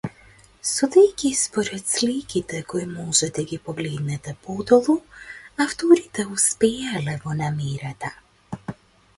Судејќи според сликите кои може да ги погледнете подолу, авторите успеале во намерата.